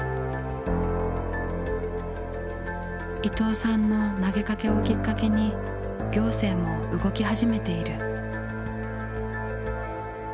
伊藤さんの投げかけをきっかけに行政も動き始めている。